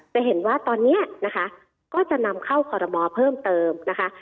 จะเห็นว่าตอนนี้นะคะก็จะนำเข้าคอรมอเพิ่มเติมนะคะ